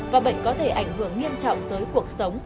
và bệnh có thể ảnh hưởng nghiêm trọng tới cuộc sống